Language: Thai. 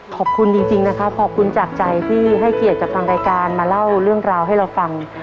ขอบคุณจริงนะครับขอบคุณจากใจที่ให้เกียรติจากทางรายการมาเล่าเรื่องราวให้เราฟัง